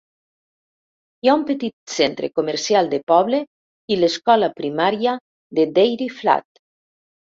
Hi ha un petit centre comercial de poble i l'Escola primària de Dairy Flat.